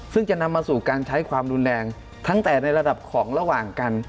ซึ่งจะนำมาสู่การใช้ความรุนแรงตั้งแต่ในระดับของระหว่างกัน